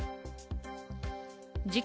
事件